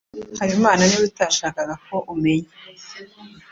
Habimana niwe utashakaga ko umenya.